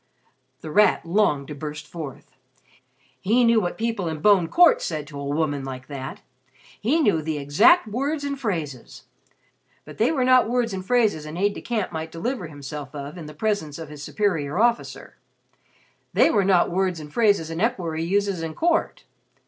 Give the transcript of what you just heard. The Rat longed to burst forth. He knew what people in Bone Court said to a woman like that; he knew the exact words and phrases. But they were not words and phrases an aide de camp might deliver himself of in the presence of his superior officer; they were not words and phrases an equerry uses at court.